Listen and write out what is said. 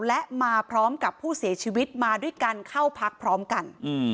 และมาพร้อมกับผู้เสียชีวิตมาด้วยกันเข้าพักพร้อมกัน